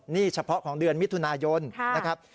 นี่เฉพาะของเดือนมิถุนายนนะครับ